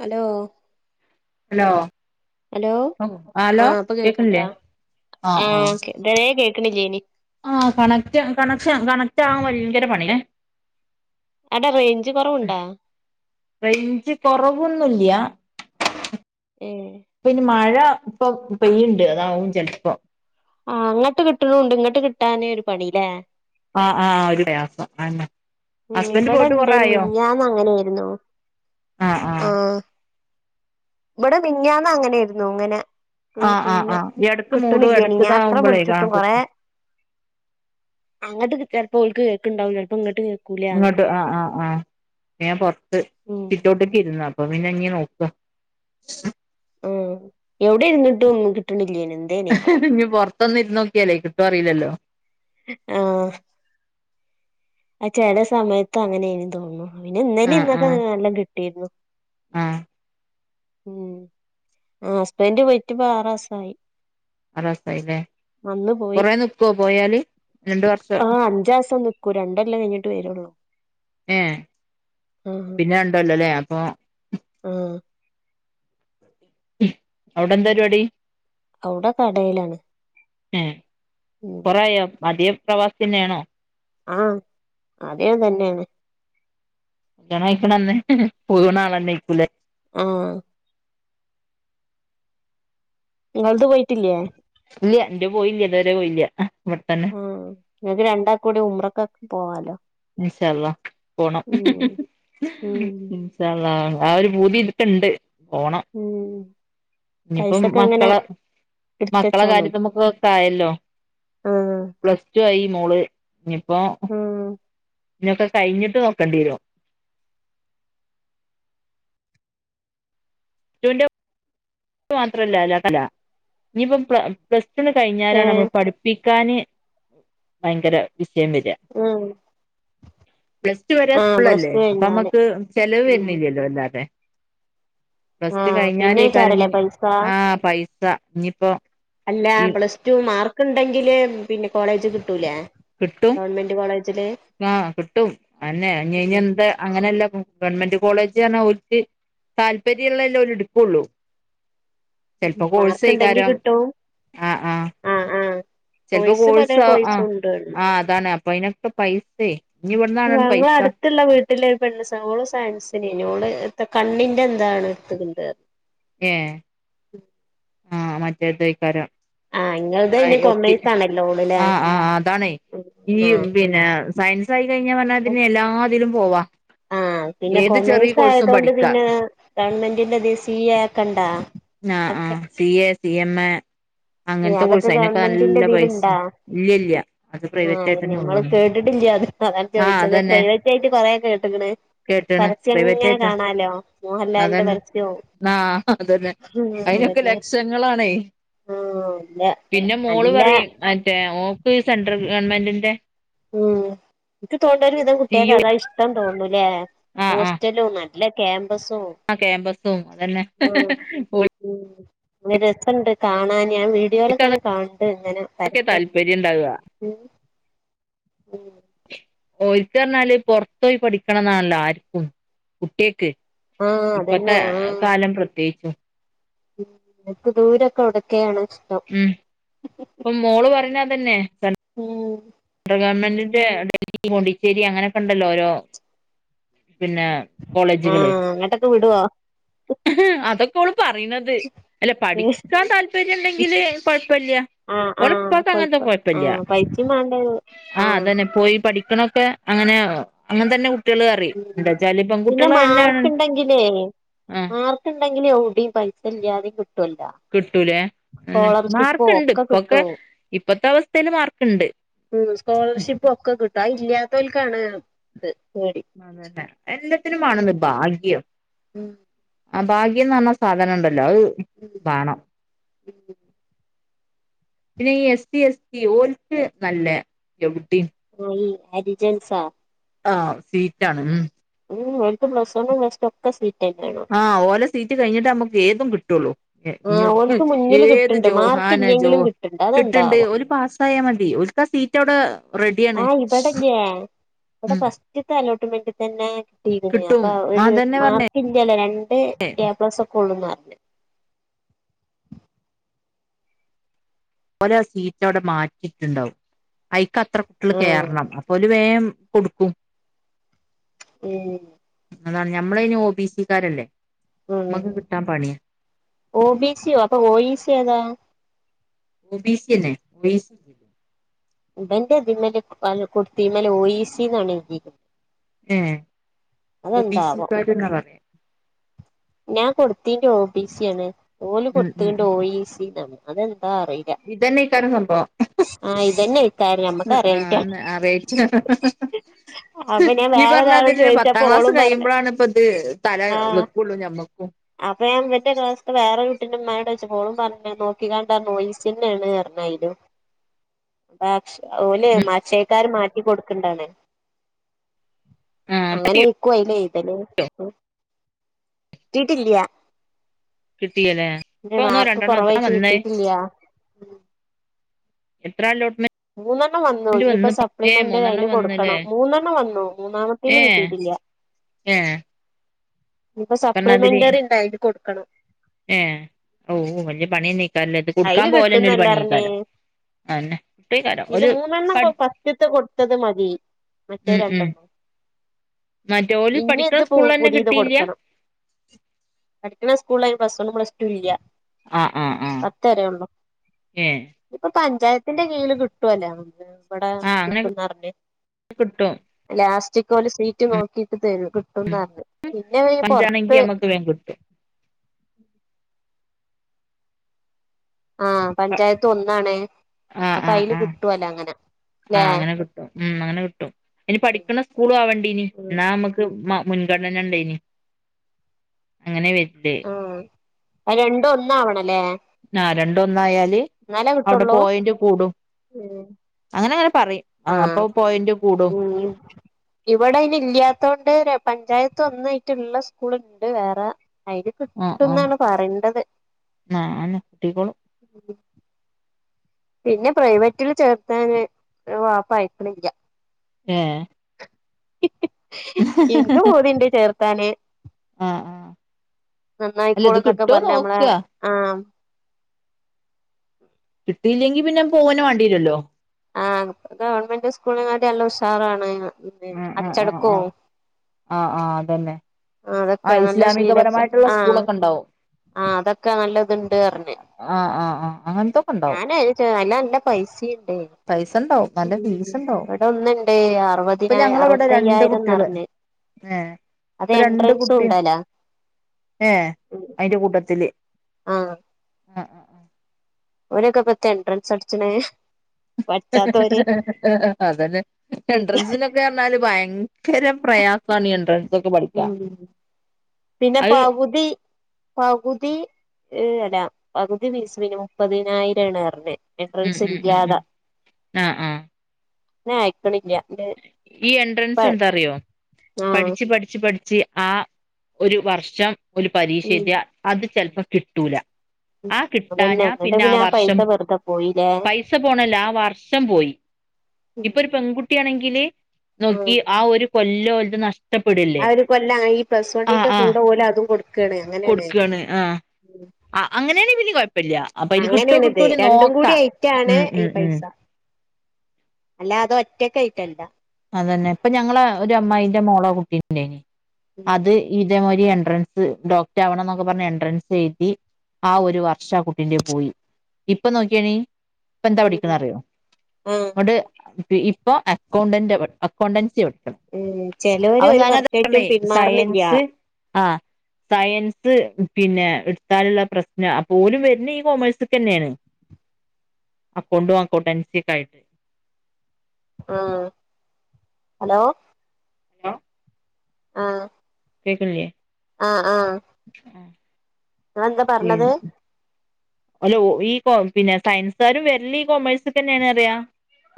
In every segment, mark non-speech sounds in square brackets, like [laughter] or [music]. Hello hello hello ആ hello അപ്പൊ കേക്കണില്ലേ കേൾക്കണ്ടോ ആ ദരെ കേക്ക്ണില്ലേനി ആ കണക്റ്റ് കണക്ഷൻ കണക്റ്റ് ആകാൻ ഭയങ്കര പണില്ലേ അവിടെ റേഞ്ച് കുറവുണ്ടാ റൈഞ്ച് കൊറവ് ഒന്നുല്ല്യ ഏ പിന്നെ മഴ ഴ ഇപ്പൊ പെയ്യുണ്ട് അതാവും ചെല്‌പ്പോ ആ അങ്ങോട്ട് കിട്ട്ണ്ണ്ട് ഇങ്ങോട്ട് കിട്ടാനേ ഒരു പണില്ലേ ആ ആ ആ ഒരു പ്രയാസം ആയേന്നേ ഉ ഇവിടെ ഇണ്ടേനുമിഞ്ഞാന്ന് അങ്ങനെയിരുന്നു ആഹ് ആ ആഹ് ഇവിടെ മിഞ്ഞാന്ന് അങ്ങനെയിരുന്നു ഇങ്ങനെ ആഹ് ആഹ് പിന്നെ ആഹ് എടക്ക് മൂടും കിട്ടണില്ലേനി എടക്ക് ഞാൻ അത്ര ഇതാവുമ്പളേ വിളിച്ചിട്ടു കൊറെ അങ്ങട്ട് കിട്ടപ്പം ഓല്ക്ക് കേൾക്ണ്ടാവും ചിലപ്പോ ഇങ്ങട്ട് കേൾക്കൂല ഇങ്ങോട്ട് അങ്ങനെ ആ ആ ആ ഞാ പുറത്ത് ഉം സിറ്റോട്ട്ക്ക് ഇര്ന്ന അപ്പ പിന്നെ നിനോക്ക ആ എവിടെ ഇരുന്നിട്ടും കിട്ടണില്ലേനി എന്തേനി ആവോ ഇഞ് പൊറത്തൊന്ന് ഇരു നോക്കിയാലേ കിട്ടോ അറില്ലല്ലോ ആ ആ ചെല സമയത്ത് അങ്ങനെ ഇനി തോന്നു പിന്നെ ഇന്നേലെ ഇന്നൊക്കെ നല്ലോം കിട്ടിയിരുന്നു ആ ഉ ആ ഹസ്ബന്റെ പോയിട്ട് പ്പം ആറാസായി അറസായില്ലേ കൊറെ നി ക്യോ പോയാല് രണ്ട് വർഷം ആ അഞ്ചാസം നിക്കൂ രണ്ടെല്ലം കഴിഞ്ഞിട്ട് വരുള്ളൂ ഏ ആഹ് പിന്നെ ഉണ്ടല്ലോല്ലേ അപ്പൊ ആഹ് അവിടെന്താ പരിപാടി അവുടെ കടയിലാണ് ഉം ഉം കൊറെയോ അദേ പ്രവാസിന്നെയാണോ ആഹ അതേം തന്നെയാണ് ണയ്ക്ക്ണന്ന് പോവ്ണാളന്നെ ക്കൂലെ ആ ങ്ങളത് പോയിട്ടില്ലേ ഇല്ല എന്റെ പോയില്ല ഇതുവരെ പോയില്ല ഇവിടെത്തന്നെ ആ ങ്ങ ക്ക് രണ്ടാ കൂടി ഉമ്റക്ക പോവാലോ ഇൻ ഷാ അള്ളാ പോണം ഉം ഉം ഇൻഷ അള്ളാ ആ ഒരു പൂതി ഇന്കണ്ട് ഉം ഇനിയിപ്പം പൈസൊക്കെ ഇങ്ങനെ മക്കളെ എടുത്ത് മക്കളെ വച്ചാ മതി കാര്യത്ത്മക്ക്‌ ക്കായല്ലോ ആഹ് പ്ലസ് ടു ആയി മോള് ഇനിപ്പോ ആഹ് ഇന്യോക്കെ കഴിഞ്ഞിട്ട് നോക്കേണ്ടി വരും ന്റു ന്റെ മാത്രല്ലല്ല [unintelligible] ഇനിയിപ്പം പ്ലസ്ടുണ്ട്കഴിഞ്ഞാലാണ് നമ്മൾ ഏഹ് പഠിപ്പി ക്കാന് ഭയങ്കര വിഷയം വര്യ ആഹ് പ്ലസ് ടു വരെ ആഹ് പ്ലസ് സ്കൂൾല്ലേ ടു അപ്പൊ കഴിഞ്ഞാല് നമ്മുക്ക് ചെലവ് ഉം വരുന്നില്ലല്ലോ അല്ലാതെ ബസ്റ്റ് ആഹ് പിന്നേക്കാരല്ലേ കഴിഞ്ഞാലേകരിഞ്ഞി ആഹ് പൈസ ഇനിയിപ്പോ അല്ലാ.. ഈ പ്ലസ്ടുമാർക്ക് ണ്ടെങ്കില് പിന്നെ കോളേജ് കിട്ടൂലേ.. കിട്ടും. ഗവൺമെന്റ് കോളേജില് ആ കിട്ടും അന്നെ ഞായ്ഞ്ഞേ ന്താ അങ്ങനെയല്ല. ഗവൺമെന്റ് കോളേജ് റഞ്ഞ് ഒൽക്ക് താല്പര്യല്ലള്ളല്ലേ ഒലെ ട് കൊള്ളു. ചിലപ്പോ മാർക്ക് ഉണ്ടെങ്കി കോഴ്സേക്കാരം കിട്ടും ആ. ആ ആഹ് ആഹ് ചിലപ്പോ കോഴ്സ് കോഴ്സ പല ആ ആ കോഴ്സും ഉണ്ട് ഇന്ന് ആതാണ് അപ്പൊയ്നോക്കെ പെസേയ്. ഞങ്ങഅടുത്തുള്ള വീട്ടില്ഒരു പെണ്ണ്സ് ള് സയൻസിനേന്നുള്. കണ്ണിന്റെന്താണ് ഇട്ത്ത്ക്ക്ണത്. ഏ ആ മറ്റേ തൈക്കാരം ആഹ് ഇങ്ങളത് നമ്മളെ അയിന് കൊമേഴ്സ് [unintelligible] ആണല്ലോ ഓള്ല്ലേ ആ ആ അതാണയ് ഈ ആഹ് പിന്നെ സയൻസ് ആയി കഴിഞ്ഞാപറഞ്ഞാതിന് എല്ലാതിലും പോവാ.. ആപിന്നെ ഏത് ചെറിയ കൊമേഴ്സ് കോഴ്സും ആയതൊണ്ട് പഠിക്കാ പിന്നെ ഗവൺമെന്റിന്റെതി സി എ ക്കണ്ട ആ C A C M A. ഏഹ് അങ്ങനത്തെ അതൊക്കെ കോഴ്സ് അയ്നിപ്പ ഗവൺമെന്റിന്റെ നല്ല ഇതില് പൈസ ഇണ്ടാ ഇല്ല്യല്ല അത് പ്രൈവറ്റയ് ആഹ് റ്റേന്നെ ഞമ്മള് ള്ളൂ. [unintelligible] ചോദിച്ചത് പ്രൈവറ്റായിട്ട് കൊറേ കേട്ട്ക്ണ്. കേട്ടണ് പരസ്യം പ്രൈവറ്റ് എങ്ങനെ ആയിട്ടാ കാണാലോ.. മോഹൻലാലിന്റെ പരസ്യവും. ആ അതന്നെ ഉം അതിനൊക്കെ അതന്നെ ലക്ഷ ങ്ങ ളാണെ ആഹ് ഇല്ല പിന്നെ മോള് നല്ല പറയും മറ്റേ ഓക്ക് സെന്റർ ഗവൺമെന്റിന്റെ. ഉം. ഇക്ക് തോണ്ണത് സി യു കുട്ട്യേക്കതാ ഇഷ്ടം തോന്നണൂല്ലേ.. ആഹ് ആഹ് ഹോസ്റ്റലും ന്നാ നല്ല ക്യാമ്പസോ ആ ക്യാമ്പസും അതന്നെ ആ.. ഉം വെരസണ്ട് കാണാൻ ഞാൻ ഓൽക്ക് വീഡിയോലൊക്കെന്നെ കാണ്ട് ഇങ്ങനെ അതൊക്കെ പരസ്യം താല്പര്യം ഉണ്ടാവുക മ്മ് ഉം, ഓൽക്റഞ്ഞാല് പൊറത്ഓയി പഠിക്കണം എന്നാല്ല ആർക്കും കുട്ട്യാക്ക്. ആഹ് അതന്നെ ഇപ്പത്തെ കാലം പ്രത്യേകിച്ചും. ഉ എക്ക് ദൂരൊക്കൊ ഡെക്കേണ് ഉം ഇപ്പൊ മോള് പറഞ്ഞ അതന്നെ. ഉം ഗവൺമെന്റിന്റെ ഡൽഹി പോണ്ടിച്ചേരി അങ്ങനൊക്കെ ണ്ടല്ലോ ഓരോ പിന്നെ കോളേജുകള് ആഹ് അങ്ങട്ടൊക്കെ വിടോ ഹ് ഹ് [unintelligible] പറയുന്നത് അല്ല പഠിക്കാൻ താല്പര്യം ണ്ടെങ്കില് കൊഴപ്പല്ല്യ. ആഹ് ആഹ് ഓളപ്പാക്കങ്ങനത്തെ കോഴിക്കോ കൊഴപ്പല്ല്യ. ആഹ് പൈസയും വേണ്ടേ ആ ആഹ് അതന്നെ പോയി പഠിക്കണൊക്കെ അങ്ങനെ, അങ്ങനെ തന്നെ. കുട്ടികള് പറയും ഉം എന്താച്ചാല് പിന്നെ പെൺകുട്ടികള് തന്നെയാണ് മാർക്ണ്ടെങ്കിലേ [inaudible] ആഹ് [unintelligible] എവടിംപൈസ ല്ല്യതെ [unintelligible] കിട്ടൂലേ പിന്നെ മാർക്ക് ഇണ്ട് ഒക്കെ ഇപ്പൊക്കെ കിട്ടും ഇപ്പത്തെ അവസ്ഥയില് മാർക്ക്ണ്ട്. ഉം, സ്കോളർഷിപ്പോക്കെ കിട്ടും അഇല്ല്യാത്തോൽക്കാണ്. അതന്നെ എല്ലത്തിനും വാണമ്ന്ന് ഭാഗ്യം. ഉം ആ ഭാഗ്യന്ന് പറഞ്ഞ സാധനണ്ടല്ലോ അത് ഉം വാണം. പിന്നെ ഈ എസ് ടി എസ് ടി ഓൽക്ക് നല്ലേ [unintelligible] ഓ ഈ അരിജൻസാ ആഹാ സീറ്റാണ് ഉം. ഉം, ഓൽക് പ്ലസ് വണും പ്ലസ് ടു ഒക്കെ [unintelligible] ആഹ് ഓലെ സീറ്റ് കഴിഞ്ഞിട്ട് നമ്മുക്ക് ഏതും കിട്ടൊള്ളൂ. ആഹ് ഓൽക്ക് [unintelligible] മുന്നില് ഏത് കിട്ട്ണ്ട് ജോ മാർക്ക് ഹാന ജോ ഇല്ലെങ്കിലും കിട്ട്ണ്ട് കിട്ട്ണ്ട് അതെന്താവോ ഒല് പാസ്സായാൽ മതി ഇക്കാ സീറ്റവടെ റെഡിയാണ്. വടെ ഉം ഫസ്റ്റ്ത്തെ [unintelligible] [unintelligible] തന്നെ [unintelligible] കിട്ടും അപ്പൊ ഒരു അതന്നെ പറഞ്ഞേ മാർക്ക്യല്ലേ രണ്ട് കെ എ പ്ലസ് ഒക്കെ ഉള്ളൂ [unintelligible] [inaudible] ഓലആ സീറ്റ് അവിടെ മാറ്റിട്ടുണ്ടാവും അയിക്ക് അത്ര കുട്ടികള് ഉം കേയറണം അപ്പ ഒരു വേം. കൊടുക്കും. ഉം അതാണ് ഞമ്മള ഇന് ഒ ബി സിക്കാരല്ലേ. ഉം, ഓ ബി സോ അപ്പൊ ഓ ഇ സി ഏതാ [unintelligible] ബി സി അല്ലെ [unintelligible] [unintelligible] ഇതിമ്മൽ അല്ല [unintelligible] ഓ എ സി ന്ന് ആണ് [unintelligible] ഏ ഒബിസി [unintelligible] ഞാൻ [unintelligible] ഓബിസി ആണ്. ഓല ഉം കൊടുത്തണ്ട് ഓ ഇ സി ന്ന് [unintelligible] ഇതന്നെ ഈ [unintelligible] ആ ആഹ് ഇതന്നെ ഇക്കാര്യം നമ്മക്ക് അറിയാഞ്ഞിട്ടാ അറിയിച്ച അഹഹഹ അപ്പൊ ഞാൻ ഈ വേറൊരാളോട് പറഞ്ഞതിന് പത്താം ചോദിച്ചപ്പോ ക്ലാസ് ഓളും പറഞ്ഞ് കഴിയുമ്പോളാണ് ഇപ്പ ഇത് തല ആഹ് വെക്കുള്ളു ഞമ്മക്കും. അപ്പൊ ഞാൻ വന്റെ ക്ലാസ്സത്തെ വേറെ [unintelligible] ന്ട്ടന്റെമ്മാനോട് ചോയ്ച്ചപ്പോ ഓളും പറഞ്ഞ നോക്കിങ്ങാണ്ട് [unintelligible] ഒഇസി ന്നെണ് [unintelligible] ആയിലും ഭാക്ഷ ഓലെ മാച്ചയക്കാര് [unintelligible] കൊടുക്കണ്ടാണ് ആഹ് കിട്ടിയോ അങ്ങനെക്കുവയിലൽ എയ്തൽ കിട്ടിട്ടില്യ കിട്ടിയല്ലേ ഇപ്പ ഒന്നോ രണ്ടെണ്ണം എത്ര കൊറവായിട്ട് വന്നേ കിട്ടിയിട്ടില്ല എത്ര [unintelligible] മൂന്നെണ്ണം വന്നു ഇനിയിപ്പോ വന്ന് ഏഹ് സപ്ലിമെന്റ് മൂന്നെണ്ണം അതിന് വന്നല്ലേ കൊടുക്കണം മൂന്നെണ്ണം വന്നു മൂന്നാമത്തേലും ഏഹ് കിട്ടിട്ടില്ല. ഏഹ് ഇപ്പൊ സപ്ലിമെന്ററി ഉണ്ട് അയിൽ കൊടുക്കണം ഹ ഓേ വല്ല്യ [unintelligible] അൽ കിട്ടുന്നെല്ലറിഞ്ഞേ അതന്നെ കിട്ടേക്കാരം ഇത് ഒരു മൂന്നെണ്ണം പഠി പത്ത്ത്തെ കൊടുത്തത് മതി. മറ്റേ ഉം ഉം രണ്ടെണ്ണം മറ്റോല് ഇനി പഠിക്കണ ഇത് സ്കൂളിൽ തന്നെ പുതിയത് കിട്ടിയില്ല കൊടുക്കണം പഠ സ്കൂളിയിന് പ്ലസ്സ് വണ്ണും, പ്ലസ്ടു ഇല്ല ആ പത്തരയാവുമ്പം ഇപ്പോ പഞ്ചായത്തിന്റെ കീഴില് കിട്ടുവേല്ലാം ഇവിടെ ആഹ് അങ്ങനെ കിട്ടുന്നടപ്പേ കിട്ടും ലാസ്റ്റ് ഉച്ചക്കോള് സീറ്റ് നോക്കിപ്പോ തരും കിട്ടുംന്ന പറഞ്ഞേ പിന്നെ വേ പഞ്ചാണെങ്കി പൊറത്ത് [inaudible] നമ്മക്ക് വേഗം കിട്ടും ആ പഞ്ചായത്തും ഒന്നാണേ ആഹ് അപ്പൊ ആഹ് അയില് ആഹ് കിട്ടുവല്ല അങ്ങനെ ല്ലേ ആഹ് അങ്ങനെ കിട്ടും മ് അങ്ങനെ കിട്ടും ഇനി പഠിക്കണ സ്കൂളും ആവണ്ടിനി ഉം എന്നാ നമ്മുക്ക് ആ മുൻഗണന ഉണ്ടെനി അങ്ങനെ വരില്ലേ ആഹ് രണ്ടും ഒന്നാവണം ആ രണ്ടും ഒന്നായല് എന്നാലേ അവിടെ കിട്ടുള്ളൂ പോയിൻ്റ് കൂടും അങ്ങനെയൊക്കെ ആ മ് ഇവിടെ ഇയിന് ഇല്ല്യാത്തൊണ്ട് പഞ്ചായത്ത് ഒന്നായിട്ടുള്ള സ്കൂളുണ്ട് വേറെ അയിത് ആഹ് ആഹ് കിട്ടുംന്നാണ് പറയേണ്ടത് ആഹ് അന്നെ കിട്ടിക്കോളും പിന്നെ പ്രൈവറ്റില് ചേർത്താന് വാപ്പയക്കണില്ല ഏ എനിക്ക് പൂതിയുണ്ട് ചേർത്താന് ആഹ് ആഹ് അല്ല നന്നായിക്കോള് ഇത് എന്നൊക്കെ കിട്ടുവോ പറഞ്ഞ നമ്മളെ നോക്കുക ആ കിട്ടിയില്ലെങ്കി പിന്നെ പോന് വേണ്ടീല്ലല്ലോ ആ ഗവൺമെന്റ് സ്കൂളിനെകാട്ടി നല്ല ഉഷാറാണ് ന്ന് ഉണ്ട് അച്ചടക്കോം ആ ആഹ് അതന്നെ ആ ഇസ്ലാമികപരമായിട്ടുള്ള സ്കൂളൊക്കെ ഇണ്ടാവും ആ അതൊക്കെ നല്ലതുണ്ട് പറഞ്ഞേ ആഹ് ആഹ് ആഹ് അങ്ങനത്തൊക്കെ ഉണ്ടാവും ഞാന് അതി ചേ അല്ലാതെ എൻ്റെ കയി പൈസേം ഇണ്ടെയ് പൈസ ഉണ്ടാവും നല്ല ഉം ഫീസ് ഉണ്ടാവും ഇവിടെ ഒന്നുണ്ടേ അറുപത് ഇപ്പൊ അതിനായ് ഞങ്ങളവിടെ രണ്ട് അറുപത്തയ്യായിരം കുട്ടികള് നറഞ്ഞ് ഏഹ് അത് ഇപ്പൊ രണ്ട് എൻട്രൻസും കുട്ടി ഉണ്ടല ഏഹ് ഉം അയിന്റെ ഉം ആഹ് ആ ഒരൊക്കെ പത്ത് എൻട്രൻസ് പടിച്ചനെ അതന്നെ പിന്നെ എൻട്രൻസിനൊക്കെ പറഞ്ഞാല് ഭയര ങ്കര പ്രയാസാണി എൻഡ്രൻസ് ഉം പിന്നെ അത് പകുതി പകുതി ഏ അല്ല പകുതി ഫീസ് പിന്നെ മുപ്പതിനായിരം ആണ് എർഞ്ഞേ ഉം എൻട്രൻസ് ഉം ഉം ഇല്ല്യാതെ ഉം ആഹ് ആഹ് ഞാ അയക്കണില്ല ന്റെ ഈ പ എൻട്രൻസ് എന്താ അറിയോ ആഹ് പഠിച്ചു പഠിച്ച് ച്ച് ആ ഒരു വർഷം ഒല് പരീക്ഷ ഉം എതിയ അത് ചിലപ്പോ കിട്ടൂല [unintelligible] ഉം ആ അതന്നെ കിട്ടാഞ്ഞാ എന്നിട്ട് പിന്നെ ആ വർഷം പൈസ വെറുതെ പോയില്ലേ പൈസ പോണല്ലോ ആ വർഷം പോയി ഉം ഇപ്പൊ ഒരു പെൺകുട്ടിയ ആണെങ്കില് നോക്കി ആഹ് ആ ഒരു കൊല്ലം ഒല്ലത് നഷ്ട ആ ഒരു കൊല്ലം ആണെങ്കി പ്ലസ് വണ്ണിന്റെ ആഹ് കൂടെ ഓല് അതും കൊടു ക്ക്ണ് അങ്ങനെയാണ് കൊടുക്കാണ് ആഹ് ആ അങ്ങനെയാണെ പിന്നെ കൊഴപ്പല്ല അപ്പൊ അതില് കിട്ടോ അങ്ങനെയണിത് കിട്ടൂലെ രണ്ടും കൂടി നോക്കാ അയിട്ടാണ് ഉം ഈ ഉം ഉം പൈസ അല്ല അത ഒറ്റക്കെ ആയിട്ടല്ല അതന്നെ ഇപ്പൊ ഞങ്ങള ഒരു അമ്മായിന്റെ മോളോ കുട്ടീന്റെയിനി ഉം അത് ഇതേ മാ ഈ എൻട്രൻസ് ഡോക്ടർ ആവണം എന്നൊക്കെ പറഞ്ഞ് എൻട്രൻസ് എഴുതി ആ ഒരു വർഷ ആ കുട്ടിന്റെറെ പോയി ഇപ്പൊ നോക്കിയെണീ ഇപ്പ എന്താ പഠിക്ക്ണെ ഉം അറിയോ ആഹ് അതണ്ട് ഇപ്പൊ അക്കൗണ്ടൻ്റാ പഠി അക്കൗണ്ടൻസിയാ ഉം ചെലോര് അപ്പൊ ഒരു ഞാനത വർഷായിട്ടും പറഞ്ഞെ പിന്മാറണില്ല സയൻസ് ആ സയൻസ് പിന്നെ എടുത്താലുള്ള പ്രശ്നം അപ്പോ ഓലും വർനെ ഈ കോമേഴ്സക്ക തന്നെയാണ് [unintelligible] അക്കൗണ്ടും അക്കൗണ്ട് എൻസി ഒക്കെ ആയിട്ടേ ആ ഹലോ ഹലോ ആ കേക്കനില്ലിയെ ആ ആ ഇങ്ങളെന്താ പറഞ്ഞത് അല്ല ഈ പിന്നെ സയൻസ്കാരും വരല്ല ഈ കൊമേഴ്സ്ന്നെയണ അറിയ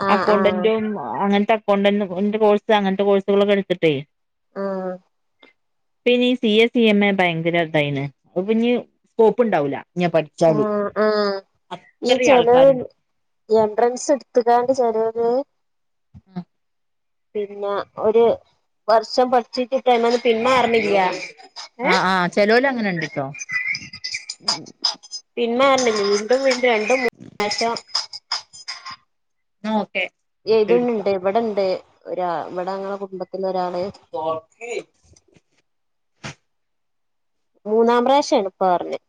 ആഹ് ആഹ് അക്കൗണ്ടന്റും അങ്ങനത്തെ അക്കൗണ്ടന്റും അങ്ങനത്തെ അകൗണ്ടന്റ് കോഴ്സ് അങ്ങനത്തെ കോഴ്സുകളൊക്കെ എടുത്തിട്ടേ ആഹ് പിന്നെ C A C M A ഭയങ്കര ഇതായിന്ന് അത് പിഞ് സ്കോപ്പ് ഉണ്ടാവൂല ഞൻ പഠിച്ചാളി ആ ഈ ചെലോ എൻട്രൻസ് എടുത്തുകാണ്ട് ചെലോന് ഉം പിന്നെ ഒരു വർഷം പഠിച്ചിട്ട ഇട്ട്മന്ന് പിന്മാറണില്യ ആ ആഹ് ചെലോല അങ്ങനെ ഇണ്ട്ട്ടോ പിന്മാറണ്ട വീണ്ടും വീണ്ടും രണ്ടു മൂന്ന ആഴ്ച ആ ഏതണ്ട് ഇണ്ട് ഇവിടെണ്ട് ഒരാ ഇവിടെ ങ്ങളെ കുടുംബത്തിലൊരാളു മൂന്നാം പ്രാവശ്യാണ് ഇപ്പ പറഞ്ഞത്